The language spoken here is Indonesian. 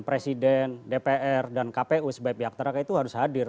presiden dpr dan kpu sebagai pihak teraka itu harus hadir